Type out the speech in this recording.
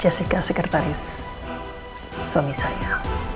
jessica sekretaris suami saya